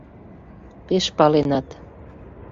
— Пеш паленат...